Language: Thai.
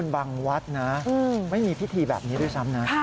บางวัดนะไม่มีพิธีแบบนี้ด้วยซ้ำนะ